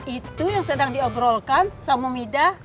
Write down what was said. itu yang sedang diobrolkan sama mida